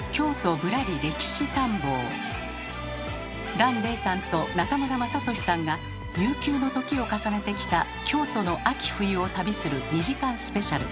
檀れいさんと中村雅俊さんが悠久の時を重ねてきた京都の秋冬を旅する２時間スペシャル。